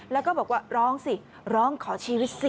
แล้วก็บอกว่าร้องสิร้องขอชีวิตสิ